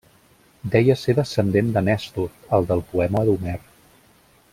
Deia ser descendent de Nèstor, el del poema d'Homer.